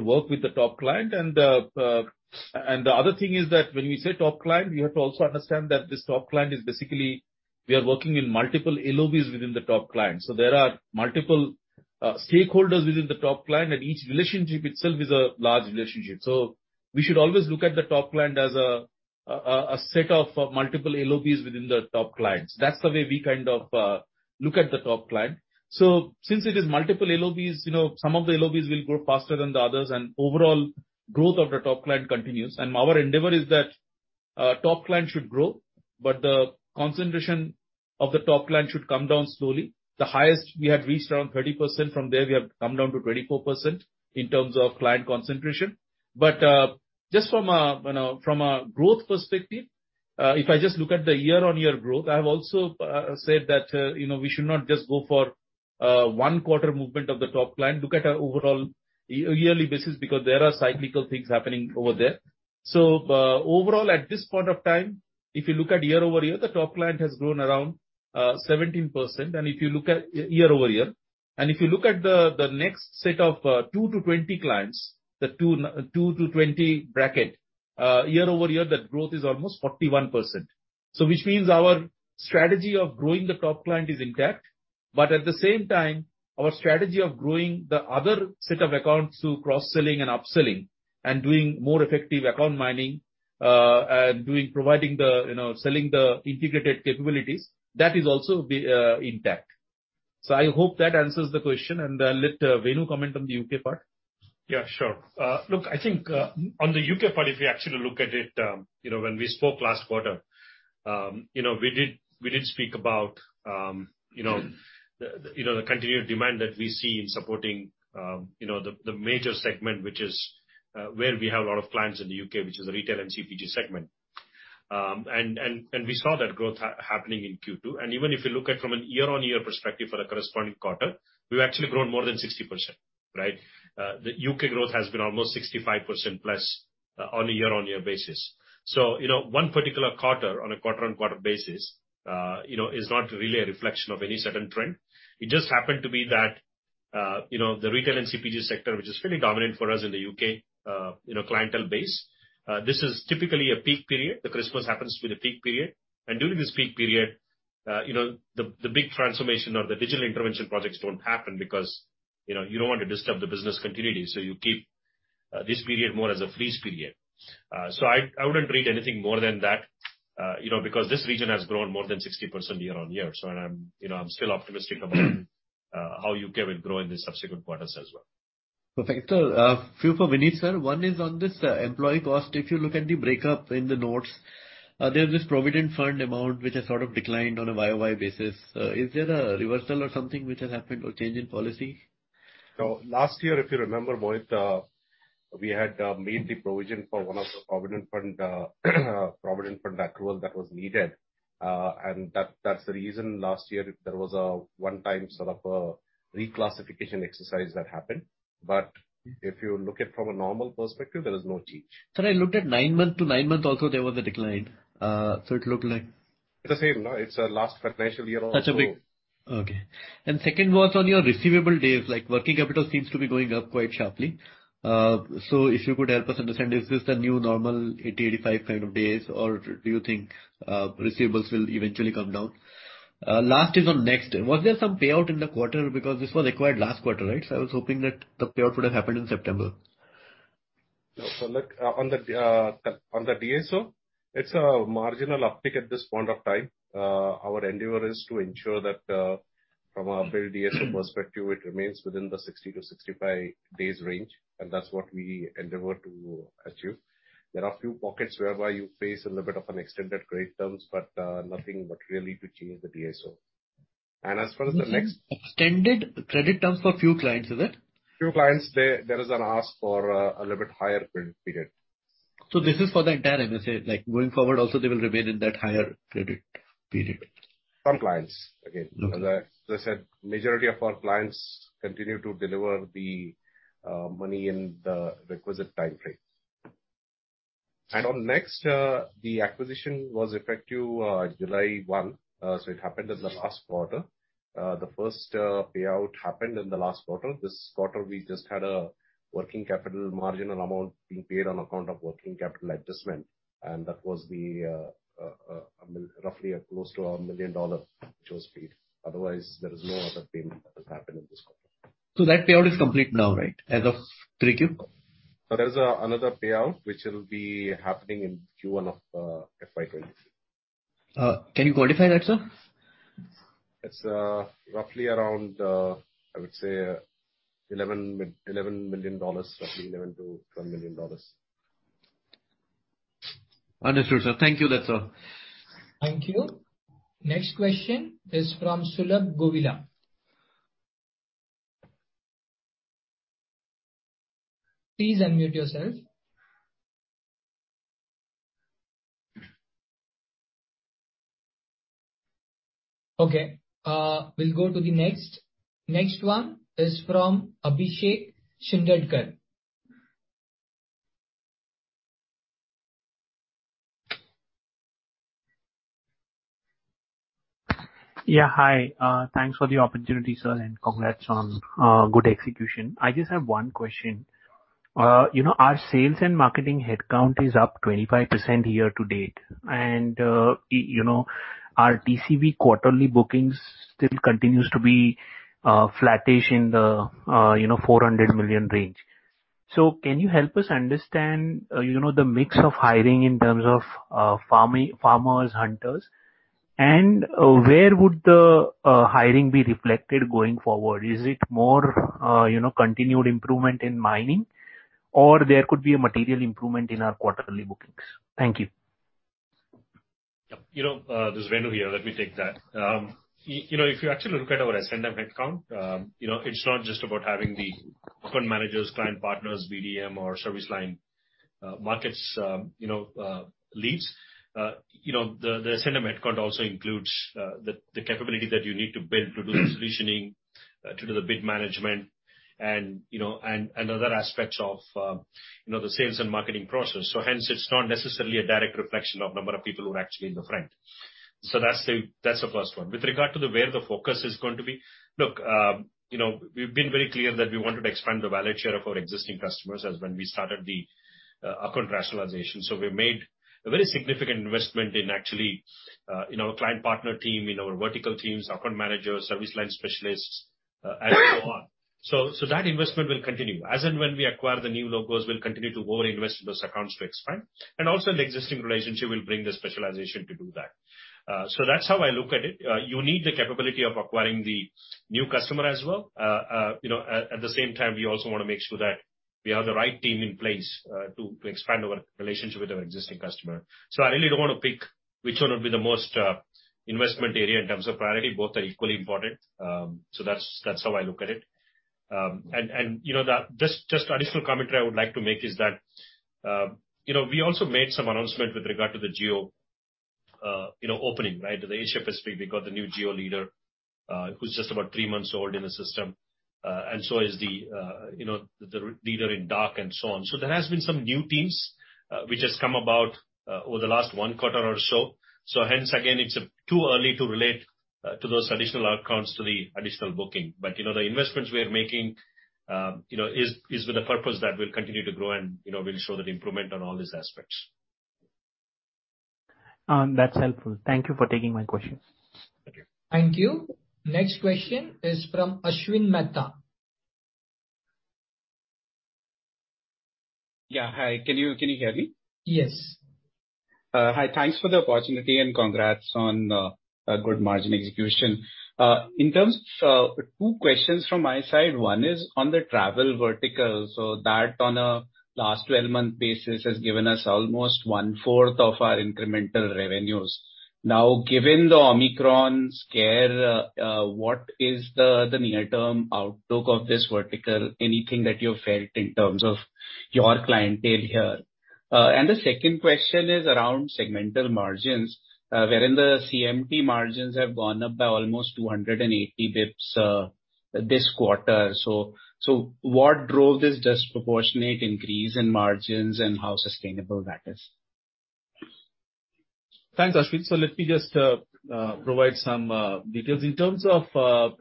work with the top client. The other thing is that when we say top client, we have to also understand that this top client is basically we are working in multiple LOBs within the top client. There are multiple stakeholders within the top client, and each relationship itself is a large relationship. We should always look at the top client as a set of multiple LOBs within the top clients. That's the way we kind of look at the top client. Since it is multiple LOBs, you know, some of the LOBs will grow faster than the others, and overall growth of the top client continues. Our endeavor is that top client should grow, but the concentration of the top client should come down slowly. The highest we had reached around 30%. From there, we have come down to 24% in terms of client concentration. Just from a, you know, from a growth perspective, if I just look at the year-over-year growth, I have also said that, you know, we should not just go for one quarter movement of the top client. Look at our overall yearly basis because there are cyclical things happening over there. Overall, at this point of time, if you look at year-over-year, the top client has grown around 17%. If you look at year-over-year, if you look at the next set of two-20 clients, the two-20 bracket, year-over-year, that growth is almost 41%. Which means our strategy of growing the top client is intact. But at the same time, our strategy of growing the other set of accounts through cross-selling and upselling and doing more effective account mining, doing, providing the, you know, selling the integrated capabilities, that is also being intact. I hope that answers the question, and I'll let Venu comment on the UK part. Yeah, sure. Look, I think on the UK part, if you actually look at it, you know, when we spoke last quarter, you know, we did speak about, you know, the continued demand that we see in supporting the major segment, which is where we have a lot of clients in the U.K., which is the retail and CPG segment. We saw that growth happening in Q2. Even if you look at from a year-on-year perspective for a corresponding quarter, we've actually grown more than 60%, right? The UK growth has been almost 65% plus on a year-on-year basis. You know, one particular quarter on a quarter-on-quarter basis, you know, is not really a reflection of any certain trend. It just happened to be that, you know, the retail and CPG sector, which is fairly dominant for us in the U.K., you know, clientele base, this is typically a peak period. Christmas happens to be the peak period. During this peak period, you know, the big transformation of the digital intervention projects don't happen because, you know, you don't want to disturb the business continuity, so you keep this period more as a freeze period. I wouldn't read anything more than that, you know, because this region has grown more than 60% year-on-year. I'm still optimistic about how U.K. will grow in the subsequent quarters as well. Perfect. A few for Vinit, sir. One is on this employee cost. If you look at the breakup in the notes, there's this provident fund amount which has sort of declined on a YOY basis. Is there a reversal or something which has happened or change in policy? Last year, if you remember, Mohit, we had made the provision for one of the provident fund accrual that was needed. That's the reason last year there was a one-time sort of a reclassification exercise that happened. If you look at from a normal perspective, there is no change. Sir, I looked at nine-month to nine-month also there was a decline. It looked like. It's the same, no? It's last financial year also. Second was on your receivable days, like, working capital seems to be going up quite sharply. So if you could help us understand, is this the new normal 80-85 kind of days, or do you think receivables will eventually come down? Last is on NxT. Was there some payout in the quarter because this was acquired last quarter, right? I was hoping that the payout would have happened in September. Look, on the DSO, it's a marginal uptick at this point of time. Our endeavor is to ensure that from a billed DSO perspective, it remains within the 60-65 days range, and that's what we endeavor to achieve. There are a few pockets whereby you face a little bit of an extended credit terms, but nothing but really to change the DSO. As far as the Next- Extended credit terms for a few clients, is it? few clients, there is an ask for a little bit higher credit period. This is for the entire MSA. Like, going forward also they will remain in that higher credit period. Some clients, again. Okay. As I said, majority of our clients continue to deliver the money in the requisite time frame. On Next, the acquisition was effective July 1, so it happened in the last quarter. The first payout happened in the last quarter. This quarter we just had a working capital marginal amount being paid on account of working capital adjustment, and that was the roughly close to $1 million which was paid. Otherwise, there is no other payment that has happened in this quarter. that payout is complete now, right? As of three Q? There's another payout which will be happening in Q1 of FY 2023. Can you quantify that, sir? It's roughly around, I would say $11 million. Roughly $11 million-$12 million. Understood, sir. Thank you. That's all. Thank you. Next question is from Sulabh Govila. Please unmute yourself. Okay, we'll go to the next. Next one is from Abhishek Shindadkar. Yeah, hi. Thanks for the opportunity, sir, and congrats on good execution. I just have one question. You know, our sales and marketing headcount is up 25% year to date. You know, our TCV quarterly bookings still continues to be flattish in the you know, $400 million range. Can you help us understand you know, the mix of hiring in terms of farmers, hunters? Where would the hiring be reflected going forward? Is it more you know, continued improvement in mining, or there could be a material improvement in our quarterly bookings? Thank you. Yeah. You know, this is Venu here. Let me take that. You know, if you actually look at our S&M headcount, you know, it's not just about having the account managers, client partners, BDM or service line markets, you know, leads. You know, the S&M headcount also includes the capability that you need to build to do the solutioning, to do the bid management and other aspects of the sales and marketing process. Hence it's not necessarily a direct reflection of number of people who are actually in the front. That's the first one. With regard to where the focus is going to be, look, you know, we've been very clear that we wanted to expand the wallet share of our existing customers as when we started the account rationalization. We made a very significant investment in actually in our client partner team, in our vertical teams, account managers, service line specialists, and so on. That investment will continue. As and when we acquire the new logos, we'll continue to over-invest in those accounts to expand. Also the existing relationship will bring the specialization to do that. That's how I look at it. You need the capability of acquiring the new customer as well. You know, at the same time, we also wanna make sure that we have the right team in place to expand our relationship with our existing customer. I really don't wanna pick which one would be the most investment area in terms of priority. Both are equally important. That's how I look at it. You know that this is just additional commentary I would like to make is that you know we also made some announcement with regard to the geo opening right. The Asia Pacific we got the new geo leader who's just about three months old in the system. So is the leader in DACH and so on. There has been some new teams which has come about over the last one quarter or so. Hence again it's too early to relate to those additional outcomes to the additional booking. You know the investments we are making you know is with the purpose that we'll continue to grow and you know we'll show the improvement on all these aspects. That's helpful. Thank you for taking my questions. Thank you. Thank you. Next question is from Ashwin Mehta. Yeah, hi. Can you hear me? Yes. Hi, thanks for the opportunity and congrats on a good margin execution. In terms of two questions from my side. One is on the travel vertical. That on a last 12-month basis has given us almost one-fourth of our incremental revenues. Now, given the Omicron scare, what is the near-term outlook of this vertical? Anything that you've felt in terms of your clientele here? The second question is around segmental margins, wherein the CMT margins have gone up by almost 280 basis points this quarter. What drove this disproportionate increase in margins and how sustainable that is? Thanks, Ashwin. Let me just provide some details. In terms of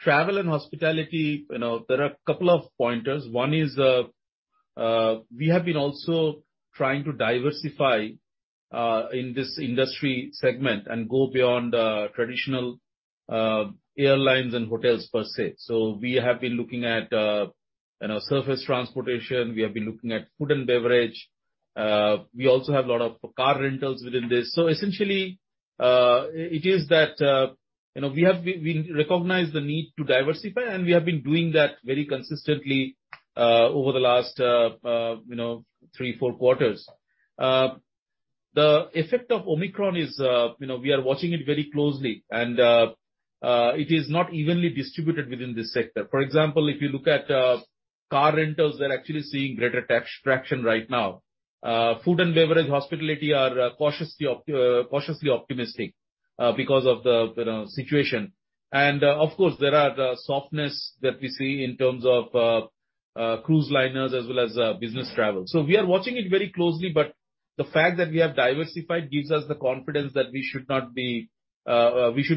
travel and hospitality, you know, there are a couple of pointers. One is we have been also trying to diversify in this industry segment and go beyond traditional airlines and hotels per se. We have been looking at you know surface transportation. We have been looking at food and beverage. We also have a lot of car rentals within this. Essentially it is that you know we recognize the need to diversify, and we have been doing that very consistently over the last you know three four quarters. The effect of Omicron is you know we are watching it very closely, and it is not evenly distributed within this sector. For example, if you look at car rentals, they're actually seeing greater tax traction right now. Food and beverage, hospitality are cautiously optimistic because of the, you know, situation. Of course, there are the softness that we see in terms of cruise liners as well as business travel. We are watching it very closely, but the fact that we have diversified gives us the confidence that we should be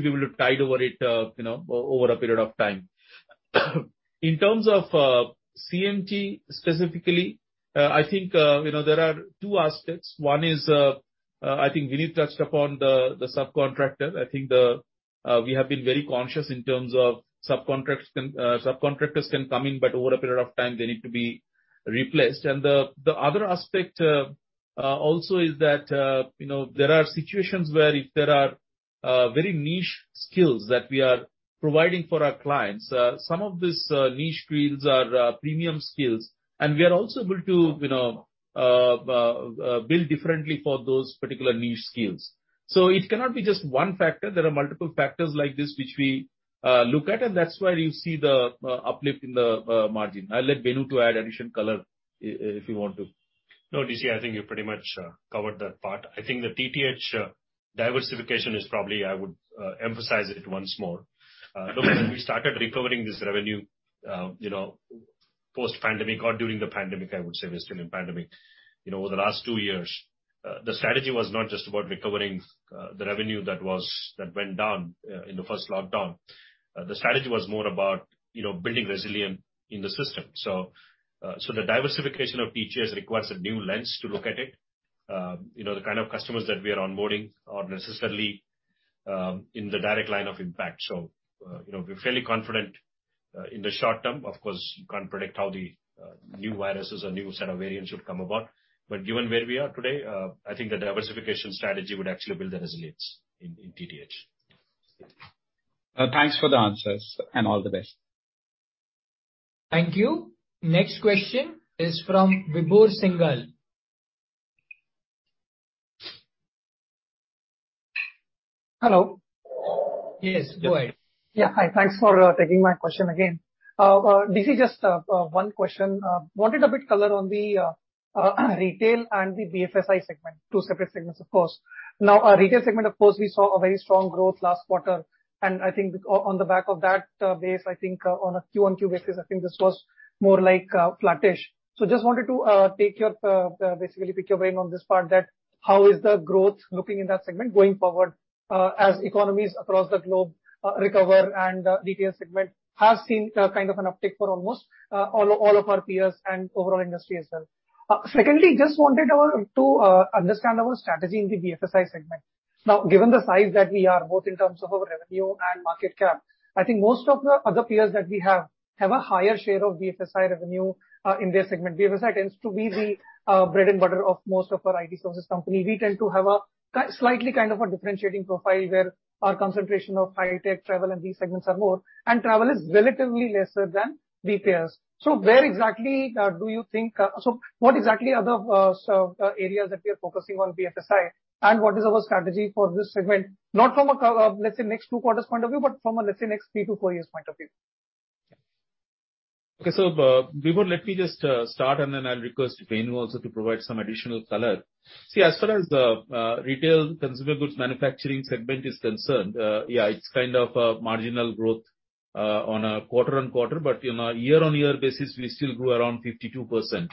able to tide over it, you know, over a period of time. In terms of CMT specifically, I think you know, there are two aspects. One is, I think Vinit touched upon the subcontractor. I think we have been very conscious in terms of subcontractors can come in, but over a period of time, they need to be replaced. The other aspect also is that you know, there are situations where if there are very niche skills that we are providing for our clients, some of these niche skills are premium skills, and we are also able to, you know, bill differently for those particular niche skills. It cannot be just one factor. There are multiple factors like this which we look at, and that's why you see the uplift in the margin. I'll let Venu to add additional color if you want to. No, Debashis Chatterjee, I think you pretty much covered that part. I think the TTH diversification is probably I would emphasize it once more. Look, when we started recovering this revenue, you know, post-pandemic or during the pandemic, I would say we're still in pandemic, you know, over the last two years, the strategy was not just about recovering the revenue that went down in the first lockdown. The strategy was more about, you know, building resilience in the system. The diversification of TTH requires a new lens to look at it. You know, the kind of customers that we are onboarding are necessarily in the direct line of impact. You know, we're fairly confident in the short term. Of course, you can't predict how the new viruses or new set of variants would come about. Given where we are today, I think the diversification strategy would actually build the resilience in TTH. Thanks for the answers, and all the best. Thank you. Next question is from Vibhor Singhal. Hello. Yes, go ahead. Yeah, hi. Thanks for taking my question again. This is just one question. I wanted a bit of color on the retail and the BFSI segment, two separate segments, of course. Now, our retail segment, of course, we saw a very strong growth last quarter, and I think on the back of that base, I think on a Q-on-Q basis, I think this was more like flattish. Just wanted to basically pick your brain on this part that how is the growth looking in that segment going forward, as economies across the globe recover and the retail segment has seen kind of an uptick for almost all of our peers and overall industry as well. Secondly, I just wanted to understand our strategy in the BFSI segment. Now, given the size that we are, both in terms of our revenue and market cap, I think most of the other peers that we have have a higher share of BFSI revenue in their segment. BFSI tends to be the bread and butter of most of our IT services company. We tend to have a slightly kind of a differentiating profile where our concentration of high tech travel and these segments are more, and travel is relatively lesser than retailers. What exactly are the areas that we are focusing on BFSI, and what is our strategy for this segment? Not from a, let's say next two quarters point of view, but from a, let's say next three to four years point of view. Okay. Vibhor, let me just start, and then I'll request Venu also to provide some additional color. See, as far as the retail consumer goods manufacturing segment is concerned, yeah, it's kind of a marginal growth on a quarter-on-quarter. You know, year-on-year basis, we still grew around 52%. You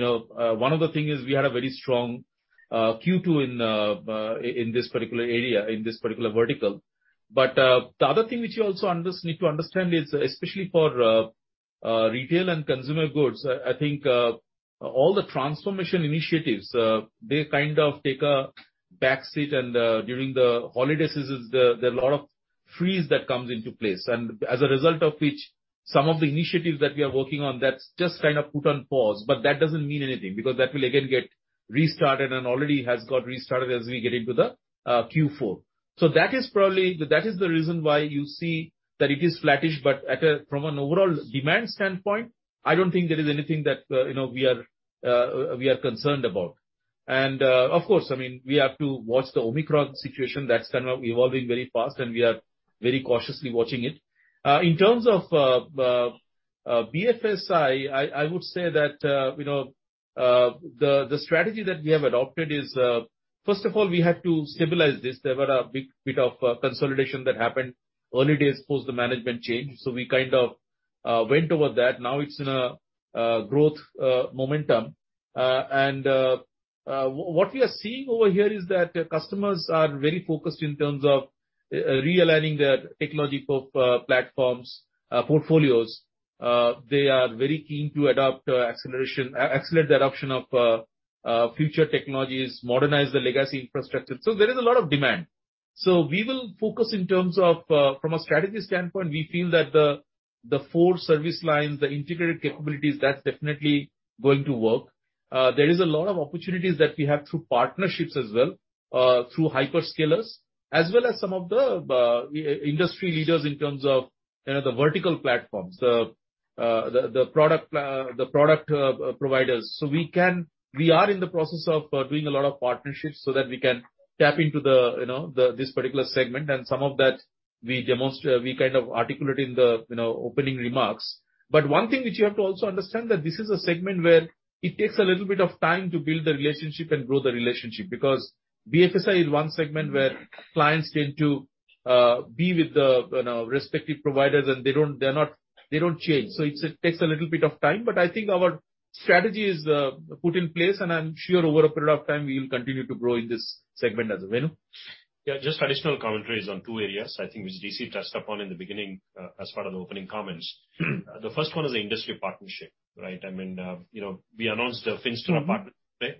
know, one of the thing is we had a very strong Q2 in this particular area, in this particular vertical. The other thing which you also need to understand is, especially for retail and consumer goods, I think all the transformation initiatives they kind of take a back seat and during the holiday seasons there are a lot of freeze that comes into place. As a result of which, some of the initiatives that we are working on, that's just kind of put on pause. That doesn't mean anything, because that will again get restarted and already has got restarted as we get into the Q4. That is the reason why you see that it is flattish. From an overall demand standpoint, I don't think there is anything that you know we are concerned about. Of course, I mean, we have to watch the Omicron situation. That's kind of evolving very fast, and we are very cautiously watching it. In terms of BFSI, I would say that you know the strategy that we have adopted is first of all, we had to stabilize this. There were a big bit of consolidation that happened early days post the management change. We kind of went over that. Now it's in a growth momentum. What we are seeing over here is that customers are very focused in terms of realigning their technology platforms portfolios. They are very keen to adopt accelerate the adoption of future technologies, modernize the legacy infrastructure. There is a lot of demand. We will focus in terms of from a strategy standpoint, we feel that the four service lines, the integrated capabilities, that's definitely going to work. There is a lot of opportunities that we have through partnerships as well, through hyperscalers, as well as some of the industry leaders in terms of, you know, the vertical platforms, the product providers. We are in the process of doing a lot of partnerships so that we can tap into the, you know, this particular segment. Some of that we kind of articulate in the, you know, opening remarks. One thing which you have to also understand that this is a segment where it takes a little bit of time to build the relationship and grow the relationship. BFSI is one segment where clients tend to be with the, you know, respective providers and they don't change. It takes a little bit of time. I think our strategy is put in place and I'm sure over a period of time we will continue to grow in this segment as well. Venu? Yeah, just additional commentary is on two areas, I think which Debashis Chatterjee touched upon in the beginning, as part of the opening comments. The first one is the industry partnership, right? I mean, you know, we announced the Finastra- Mm-hmm. partnership, right?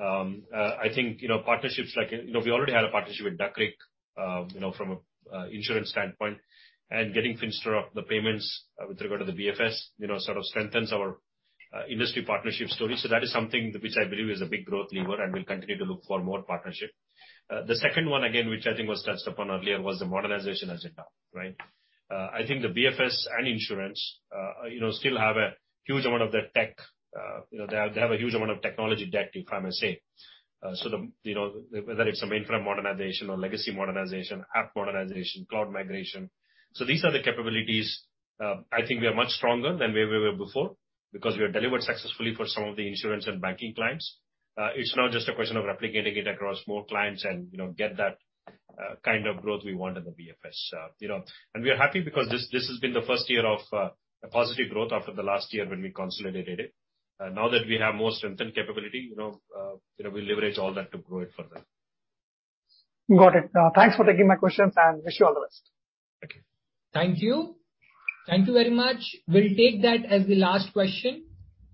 I think, you know, partnerships like, you know, we already had a partnership with Duck Creek, you know, from an insurance standpoint. Getting Finastra in the payments with regard to the BFS, you know, sort of strengthens our industry partnership story. That is something which I believe is a big growth lever, and we'll continue to look for more partnership. The second one again, which I think was touched upon earlier, was the modernization agenda, right? I think the BFS and insurance, you know, still have a huge amount of their tech, you know, they have a huge amount of technology debt, if I may say. Whether it's a mainframe modernization or legacy modernization, app modernization, cloud migration. These are the capabilities. I think we are much stronger than where we were before because we have delivered successfully for some of the insurance and banking clients. It's now just a question of replicating it across more clients and, you know, get that kind of growth we want in the BFS, you know. We are happy because this has been the first year of a positive growth after the last year when we consolidated it. Now that we have more strength and capability, you know, we leverage all that to grow it further. Got it. Thanks for taking my questions, and wish you all the best. Thank you. Thank you. Thank you very much. We'll take that as the last question.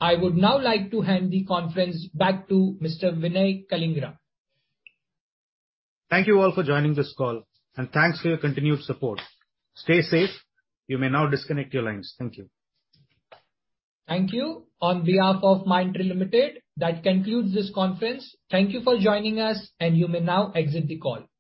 I would now like to hand the conference back to Mr. Vinay Kalingara. Thank you all for joining this call, and thanks for your continued support. Stay safe. You may now disconnect your lines. Thank you. Thank you. On behalf of Mindtree Limited, that concludes this conference. Thank you for joining us, and you may now exit the call.